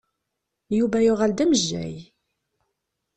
Yuba yuɣal d amejjay.